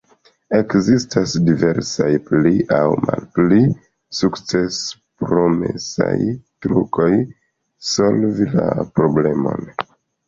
Ekzistas diversaj pli aŭ malpli sukcespromesaj trukoj solvi la problemon.